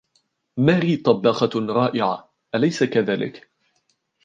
ماري طباخة رائعة، أليس كذلك؟